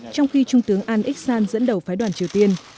trong khi trung tướng an iksan dẫn đầu phái đoàn triều tiên